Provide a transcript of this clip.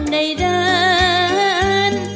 ในด้าน